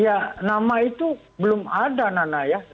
ya nama itu belum ada nana ya